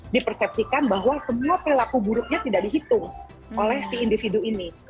dipersepsikan bahwa semua perilaku buruknya tidak dihitung oleh si individu ini